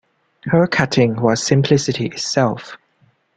Her cutting was simplicity itself.